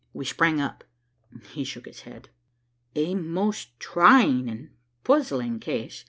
We sprang up. He shook his head. "A most trying and puzzling case.